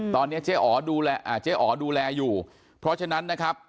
ตอนนี้เจ๊อ๋อดูแลอยู่เพราะฉะนั้นนะครับ